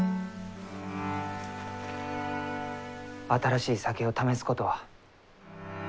新しい酒を試すことはう